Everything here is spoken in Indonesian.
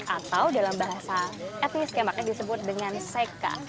atau dalam bahasa etnis yang makanya disebut dengan seka